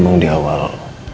memang di awal